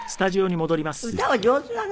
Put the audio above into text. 歌お上手なのね。